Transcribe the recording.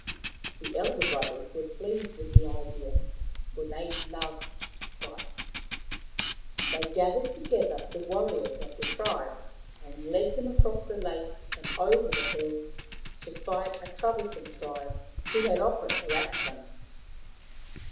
' The elder brothers were pleased with the idea, for they loved to fight. They gathered together the warriors of the tribe and led them across the lake and over the hills to fight a troublesome tribe who had often harassed them.